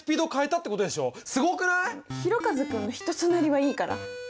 ひろかず君の人となりはいいから。